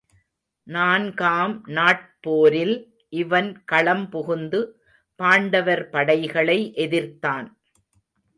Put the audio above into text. நான் காம் நாட்போரில் இவன் களம் புகுந்து பாண்டவர் படைகளை எதிர்த்தான்.